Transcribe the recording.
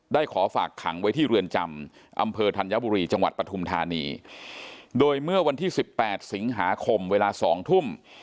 ขอฝากขังไว้ที่เรือนจำอำเภอธัญบุรีจังหวัดปฐุมธานีโดยเมื่อวันที่สิบแปดสิงหาคมเวลาสองทุ่ม